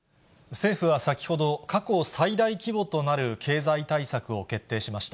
政府は先ほど、過去最大規模となる経済対策を決定しました。